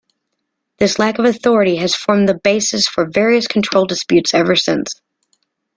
This lack of authority has formed the basis for various control disputes ever since.